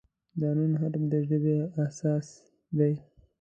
د "ن" حرف د ژبې اساس دی.